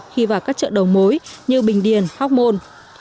khi vào các chợ đầu mối như bình điền hóc môn